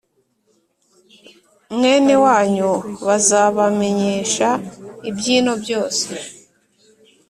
mwene wanyu bazabamenyesha iby’ino byose